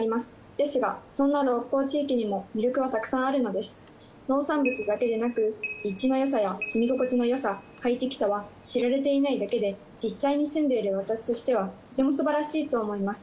ですがそんな農産物だけでなく立地の良さや住み心地の良さ快適さは知られていないだけで実際に住んでいる私としてはとてもすばらしいと思います。